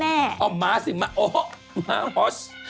อ้าวม๊าสิโอ้โฮม๊าโอ๊ย